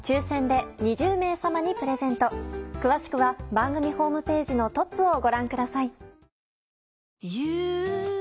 詳しくは番組ホームページのトップをご覧ください。